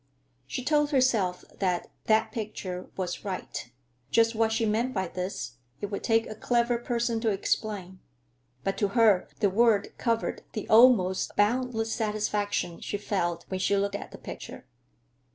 She told herself that that picture was "right." Just what she meant by this, it would take a clever person to explain. But to her the word covered the almost boundless satisfaction she felt when she looked at the picture.